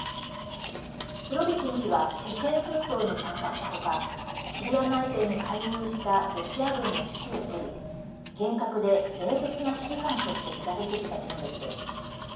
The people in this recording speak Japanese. スロビキン氏はチェチェン紛争に参加した他シリア内戦に介入したロシア軍の指揮を執り厳格で冷徹な指揮官として知られてきた人物です。